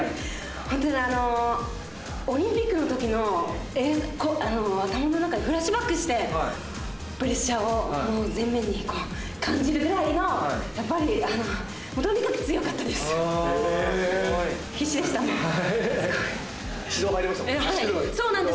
本当にオリンピックのときの頭の中にフラッシュバックしてプレッシャーを前面に感じるぐらいのやっぱりそうなんです！